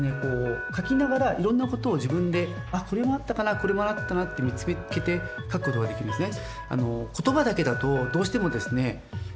書きながらいろんなことを自分であっこれもあったかなこれもあったなって見つけて書くことができるんですね。